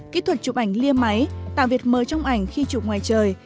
kỹ thuật chụp ảnh lia máy tạo việc mơ trong ảnh khi chụp ngoài trời